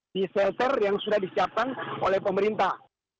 di shelter yang sudah disiapkan oleh pemerintah